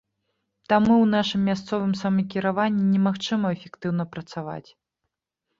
Таму ў нашым мясцовым самакіраванні немагчыма эфектыўна працаваць.